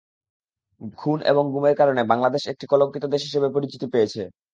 খুন এবং গুমের কারণে বাংলাদেশ এখন কলঙ্কিত দেশ হিসেবে পরিচিতি পেয়েছে।